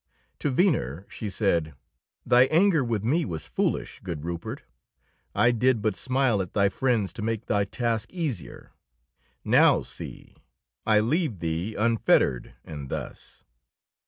To Venner she said: "Thy anger with me was foolish, good Rupert. I did but smile at thy friends to make thy task easier. Now see; I leave thee unfettered, and thus."